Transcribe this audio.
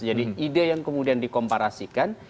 jadi ide yang kemudian dikomparasikan